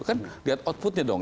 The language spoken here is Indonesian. kan lihat outputnya dong